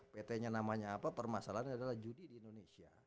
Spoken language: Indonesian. ptnya namanya apa permasalahannya adalah judi di indonesia